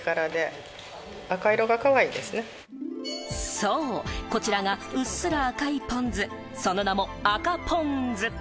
そう、こちらがうっすら赤いポン酢、その名も赤ぽん酢。